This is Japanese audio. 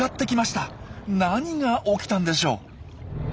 何が起きたんでしょう？